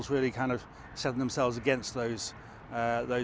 semua skandal yang menentang masalah itu